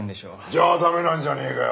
じゃあ駄目なんじゃねえかよ